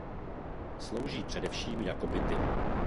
Slouží především jako byty.